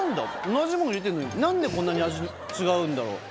同じもの入れてんのに何でこんなに味違うんだろ？